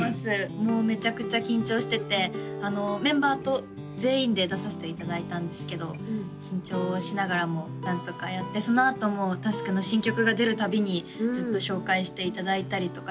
もうめちゃくちゃ緊張しててあのメンバーと全員で出させていただいたんですけど緊張しながらも何とかやってそのあともＴａｓｋの新曲が出る度にずっと紹介していただいたりとか